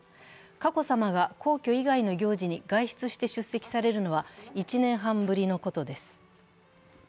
佳子さまが皇居以外の行事に外出して出席されるのは１年半ぶりのことです。